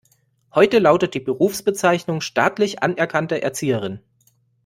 Heute lautet die Berufsbezeichnung staatlich anerkannte Erzieherin.